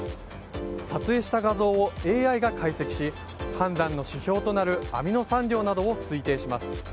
撮影した画像をＡＩが解析し判断の指標となるアミノ酸量などを推定します。